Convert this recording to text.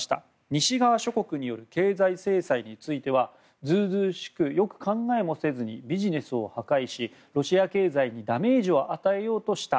西側諸国による経済制裁についてはずうずうしくよく考えもせずにビジネスを破壊しロシア経済にダメージを与えようとした。